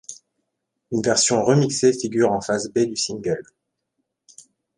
Une version remixée figure en face B du single.